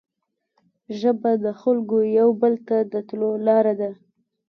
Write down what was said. ژبه د خلګو یو بل ته د تلو لاره ده